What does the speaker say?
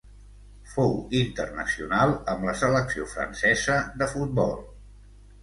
Fou internacional amb la selecció francesa de futbol.